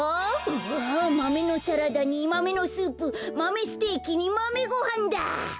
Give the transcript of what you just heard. マメのサラダにマメのスープマメステーキにマメごはんだ！